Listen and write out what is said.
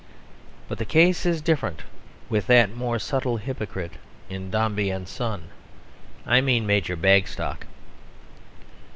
But the case is different with that more subtle hypocrite in Dombey and Son I mean Major Bagstock.